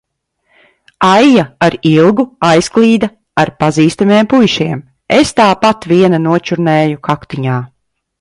Aija ar Ilgu aizklīda ar pazīstamiem puišiem, es tāpat viena nočurnēju kaktiņā.